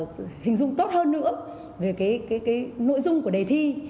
cơ hội hình dung tốt hơn nữa về nội dung của đề thi